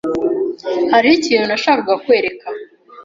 Hariho ikintu nashakaga kwereka .